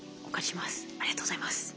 ありがとうございます。